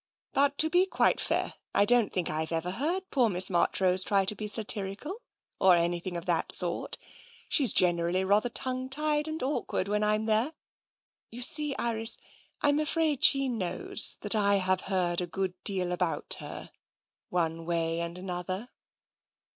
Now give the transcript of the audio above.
" But to be quite fair, I don't think I've ever heard poor Miss Marchrose try to be satirical or anything of that sort. She's generally TENSION 145 rather tongue tied and awkward when Vm there. You see, Iris, I'm afraid she knows that I have heard a good deal about her, one way and another."